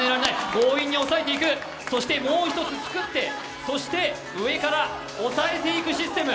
強引に押さえていく、そしてもう１つ作ってそして上から押さえていくシステム。